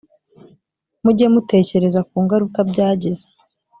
mujye mutekereza ku ngaruka byagize